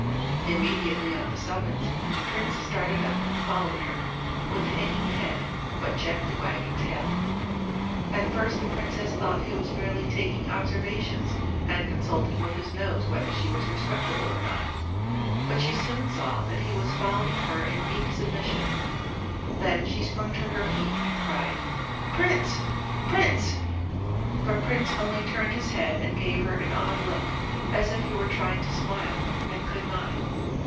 Immediately on the summons, Prince started up and followed her—with hanging head, but gently wagging tail. At first the princess thought he was merely taking observations, and consulting with his nose whether she was respectable or not, but she soon saw that he was following her in meek submission. Then she sprung to her feet and cried, "Prince, Prince!" But Prince only turned his head and gave her an odd look, as if he were trying to smile, and could not.